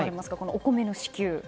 お米の支給は。